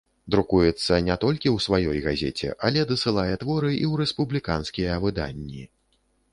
Друкуецца не толькі ў сваёй газеце, але дасылае творы і ў рэспубліканскія выданні.